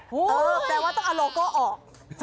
แปลว่าต้องเอาโลโก้ออก